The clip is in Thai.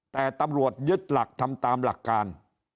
แต่ตำรวจยึดหลักทำตามหลักการ